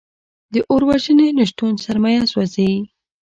د اور وژنې نشتون سرمایه سوځوي.